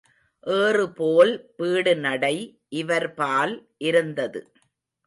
ஏறுபோல் பீடு நடை இவர்பால் இருந்தது.